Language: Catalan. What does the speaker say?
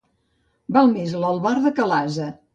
Val més l'albarda que l'ase.